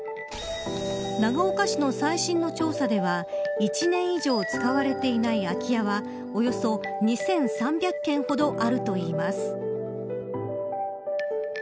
長岡市の最新の調査では１年以上使われていない空き家はおよそ２３００軒ほどあるといいます。